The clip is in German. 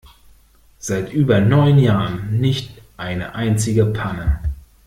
Seit über neun Jahren nicht eine einzige Panne.